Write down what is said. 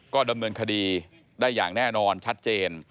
ก็ดำเนินคดีได้อย่างแน่นอนชัดเจน